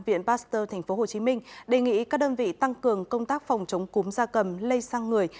viện pasteur tp hcm đề nghị các đơn vị tăng cường công tác phòng chống cúm da cầm lây sang người